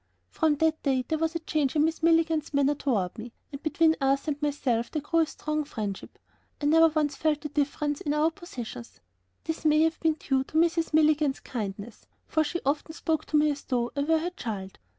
From that day there was a change in Mrs. Milligan's manner toward me, and between Arthur and myself there grew a strong friendship. I never once felt the difference in our positions; this may have been due to Mrs. Milligan's kindness, for she often spoke to me as though I were her child.